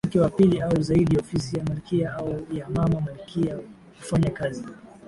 mke wa pili au Zaidi ofisi ya Malkia au ya Mama Malkia hufanya kazi